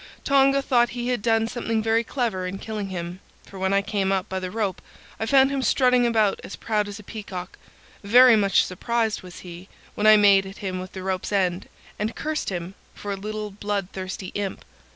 Tonga thought he had done something very clever in killing him, for when I came up by the rope I found him strutting about as proud as a peacock. Very much surprised was he when I made at him with the rope's end and cursed him for a little blood thirsty imp.